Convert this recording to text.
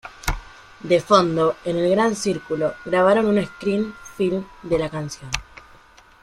De fondo en el gran círculo grabaron un Screen Film de la canción.